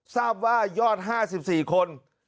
ทราบว่ายอด๕๔คน